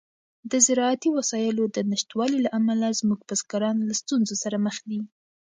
د زراعتي وسایلو د نشتوالي له امله زموږ بزګران له ستونزو سره مخ دي.